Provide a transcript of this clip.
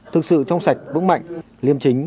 thực sự trong sạch vững mạnh liêm chính